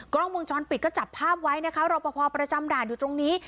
กล้องวงจรปิดก็จับภาพไว้นะคะรอปภประจำด่านอยู่ตรงนี้